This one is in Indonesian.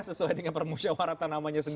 sesuai dengan permusyawaratan namanya sendiri